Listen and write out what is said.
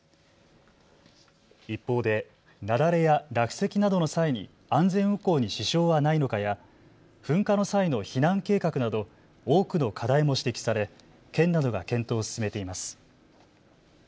一方で雪崩や落石などの際に安全運行に支障はないのかや噴火の際の避難計画など多くの課題も指摘され県などが検討を進めています。